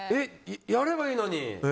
やればいいのに。